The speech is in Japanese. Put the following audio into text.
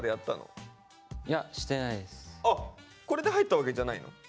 あこれで入ったわけじゃないの？